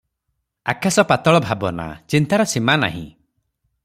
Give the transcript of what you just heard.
ଆକାଶ ପାତାଳ ଭାବନା, ଚିନ୍ତାର ସୀମା ନାହିଁ ।